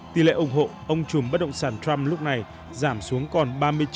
tỷ lệ ủng hộ ông chùm bất động sản trump lúc này giảm xuống còn ba mươi chín